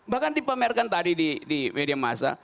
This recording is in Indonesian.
bahkan dipamerkan tadi di media masa